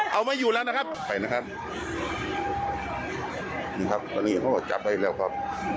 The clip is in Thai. เอาไม่อยู่แล้วนะครับไปนะครับนี่ครับตอนนี้เขาก็จับได้แล้วครับ